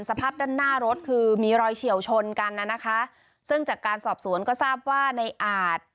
สภาพด้านหน้ารถคือมีรอยเฉียวชนกันน่ะนะคะซึ่งจากการสอบสวนก็ทราบว่าในอาจ